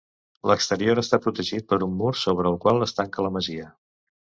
L'exterior està protegit per un mur sobre el qual es tanca la masia.